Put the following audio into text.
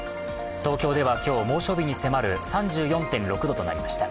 東京では今日、猛暑日に迫る３４．６度となりました。